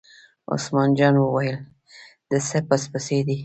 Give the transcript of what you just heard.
عثمان جان وویل: د څه پس پسي.